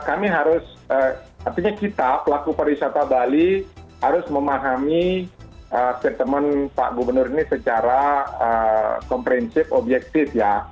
kami harus artinya kita pelaku pariwisata bali harus memahami statement pak gubernur ini secara komprehensif objektif ya